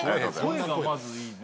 声がまずいいね。